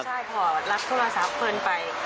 ยกเอาเขา